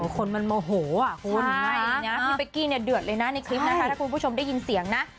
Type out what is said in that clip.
คนมันโมโหอ่ะคุณไม่นะพี่เป๊กกี้เนี่ยเดือดเลยนะในคลิปนะคะถ้าคุณผู้ชมได้ยินเสียงนะ